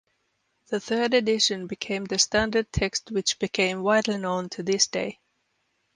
The third edition became the standard text which became widely known to this day.